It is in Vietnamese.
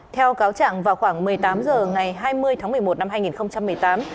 theo cáo trạng vào khoảng một mươi tám h ngày hai mươi tháng một mươi một năm hai nghìn một mươi tám